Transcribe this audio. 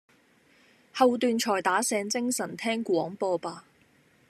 後段才打醒精神聽廣播吧！